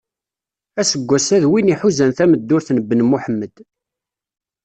Aseggas-a, d win iḥuzan tameddurt n Ben Muḥemed.